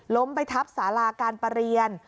ไปทับสาราการประเรียน